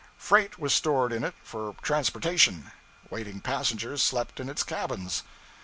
Freight was stored in it for transportation; waiting passengers slept in its cabins.